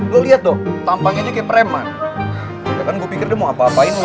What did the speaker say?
lo liat dong tampangnya kayak preman ya kan gue pikir dia mau apa apain lo